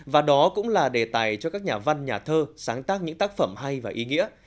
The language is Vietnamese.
và đó cũng là đề tài cho các nhà văn nhà thơ sáng tác những tác phẩm hay và ý nghĩa